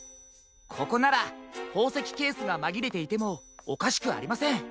ここならほうせきケースがまぎれていてもおかしくありません。